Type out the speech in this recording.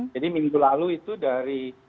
jadi minggu lalu itu dari